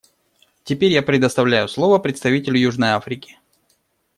Теперь я предоставляю слово представителю Южной Африки.